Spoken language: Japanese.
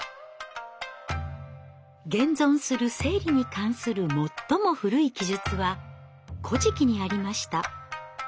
現存する生理に関する最も古い記述は「古事記」にありました。